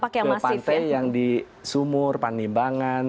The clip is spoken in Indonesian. ke pantai yang di sumur panimbangan